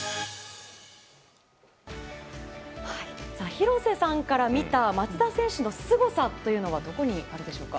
廣瀬さんから見た松田選手のすごさというのはどこにあるでしょうか？